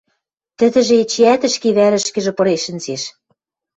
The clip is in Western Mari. Тӹдӹжӹ эчеӓт ӹшке вӓрӹшкӹжӹ пырен шӹнзеш.